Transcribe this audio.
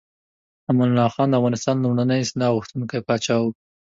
امان الله خان د افغانستان لومړنی اصلاح غوښتونکی پاچا و.